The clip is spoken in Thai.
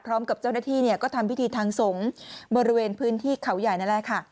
พร้อมกับเจ้าหน้าที่ก็ทำพิธีทางสงฆ์บริเวณพื้นที่เขาใหญ่นั่นแหละค่ะ